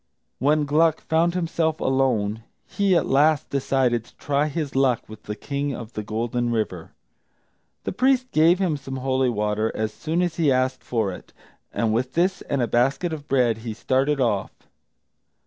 When Gluck found himself alone, he at last decided to try his luck with the King of the Golden River. The priest gave him some holy water as soon as he asked for it, and with this and a basket of bread he started off.